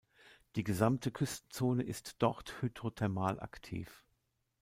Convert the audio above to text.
Die gesamte Küstenzone ist dort hydrothermal aktiv.